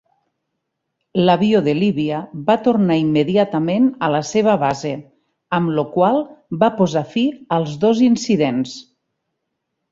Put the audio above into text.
L'avió de Líbia va tornar immediatament a la seva base, amb lo qual va posar fi als dos incidents.